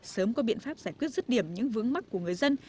sớm có biện pháp giải quyết rứt điểm những vướng mắt của người dân